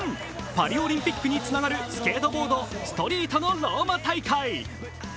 パリオリンピックにつながるスケートボード・ストリートのローマ大会。